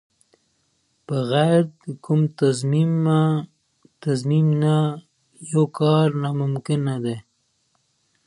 یوازې صبر پکار دی.